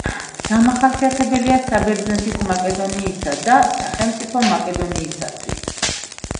დამახასიათებელია საბერძნეთის მაკედონიისა და სახელმწიფო მაკედონიისათვის.